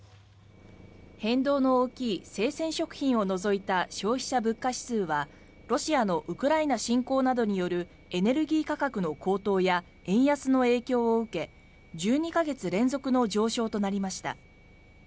変動の大きい生鮮食品を除いた消費者物価指数はロシアのウクライナ侵攻などによるエネルギー価格の高騰や円安の影響を受け１２か月連続の上昇となりました。